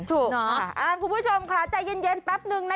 ถูกเหรอคะคุณผู้ชมคะใจเย็นแป๊บหนึ่งนะ